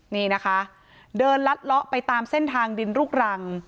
นี่นะคะเดินลัดเลาะไปตามเส้นทางดินลูกรัง